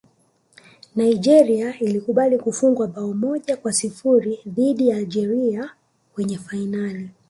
nigeria ilikubali kufungwa bao moja kwa sifuri dhidi ya algeria kwenye fainali